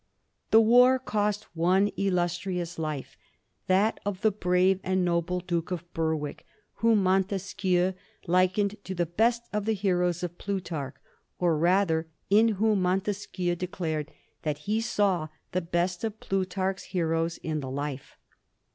The war cost one illustrious life, that of the brave and noble Duke of Berwick, whom Montesquieu likened to the best of the heroes of Plutarch, or rather in whom Montes quieu declared that he saw the best of Plutarch's heroes in the life.